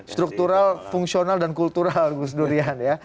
struktural fungsional dan kultural gusdurian ya